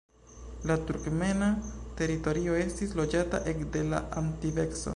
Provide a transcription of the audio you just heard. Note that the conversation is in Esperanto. La turkmena teritorio estis loĝata ekde la antikveco.